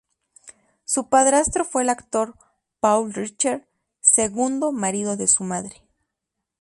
Su padrastro fue el actor Paul Richter, segundo marido de su madre.